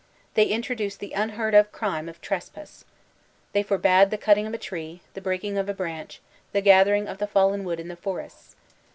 They intro duced the unheard of crime of ''trespass/' They forbade the cutting of a tree, the breaking of a branch, the gather ing of the fallen wood in the forests.